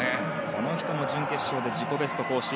この人も準決勝で自己ベスト更新。